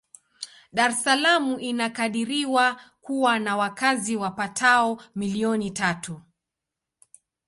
Dar es Salaam inakadiriwa kuwa na wakazi wapatao milioni tatu.